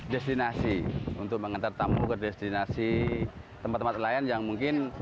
destinasi untuk mengantar tamu ke destinasi tempat tempat lain yang mungkin